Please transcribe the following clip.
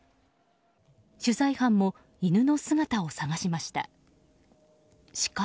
取材班も犬の姿を捜しました。